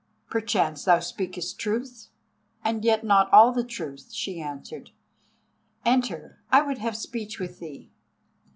"Perchance thou speakest truth, and yet not all the truth," she answered. "Enter, I would have speech with thee."